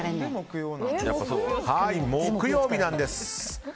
木曜日なんです。